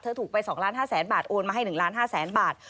เธอถูกไป๒๕๐๐บาทโอนมาให้๑๕๐๐บาท